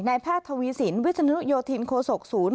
แพทย์ทวีสินวิศนุโยธินโคศกศูนย์